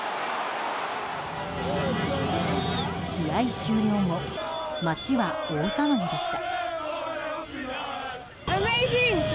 試合終了後街は大騒ぎでした。